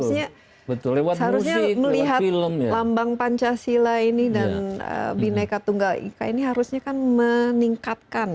seharusnya melihat lambang pancasila ini dan bineka tunggal ika ini harusnya kan meningkatkan